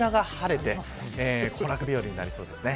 こちらが晴れて行楽日和になりそうです。